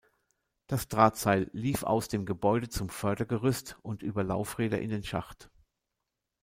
Das Drahtseil lief aus dem Gebäude zum Fördergerüst und über Laufräder in den Schacht.